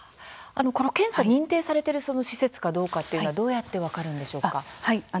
この検査認定されている施設かどうかっていうのはどうやって分かるんでしょうか。